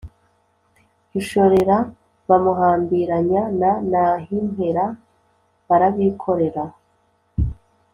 rushorera bamuhambiranya na nahimpera barabikorera,